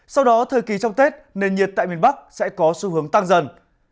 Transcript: sau đó thời kỳ trong tết nền nhiệt tại miền bắc sẽ có xu hướng tăng dần